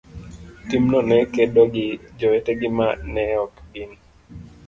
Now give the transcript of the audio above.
timno ne kedo gi jowetegi ma ne ok gin